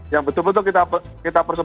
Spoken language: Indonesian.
yang betul betul kita